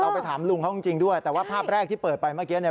ไปถามลุงเขาจริงด้วยแต่ว่าภาพแรกที่เปิดไปเมื่อกี้เนี่ย